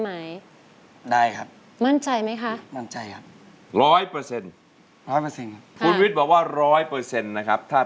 แหมมันช่างบรรยายได้